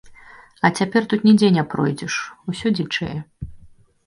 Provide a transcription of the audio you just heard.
А цяпер тут нідзе не пройдзеш, усё дзічэе.